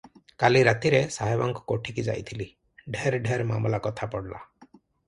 କାଲି ରାତିରେ ସାହେବଙ୍କ କୋଠିକି ଯାଇଥିଲି, ଢେର ଢେର ମାମଲା କଥା ପଡ଼ିଲା ।